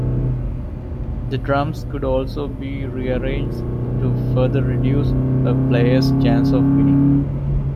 The drums could also be rearranged to further reduce a player's chance of winning.